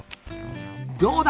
どうだ？